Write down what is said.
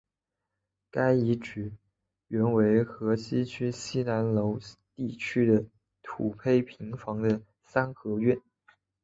该遗址原为河西区西南楼地区的土坯平房的三合院。